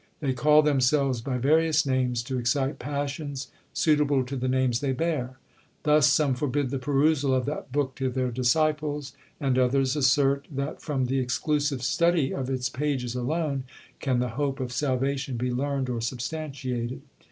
They call themselves by various names, to excite passions suitable to the names they bear. Thus some forbid the perusal of that book to their disciples, and others assert, that from the exclusive study of its pages alone, can the hope of salvation be learned or substantiated.